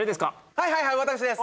はいはいはい私です